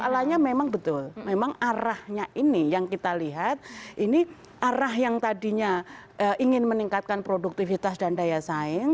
masalahnya memang betul memang arahnya ini yang kita lihat ini arah yang tadinya ingin meningkatkan produktivitas dan daya saing